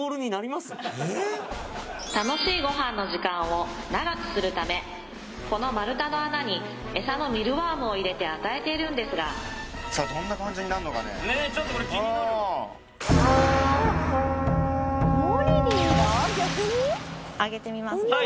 楽しいご飯の時間を長くするためこの丸太の穴にエサのミルワームを入れて与えているんですがどんな感じになんのかねねえちょっと俺気になるあげてみますね